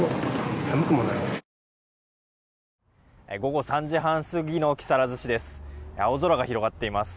午後３時半過ぎの木更津市です。